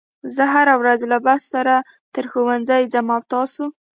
زه هره ورځ له بس سره تر ښوونځي ځم او تاسو